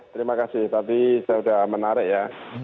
terima kasih tadi saya sudah menarik ya